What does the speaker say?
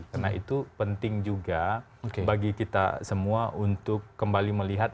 karena itu penting juga bagi kita semua untuk kembali melihat